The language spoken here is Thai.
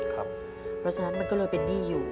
เพราะฉะนั้นมันก็เลยเป็นหนี้อยู่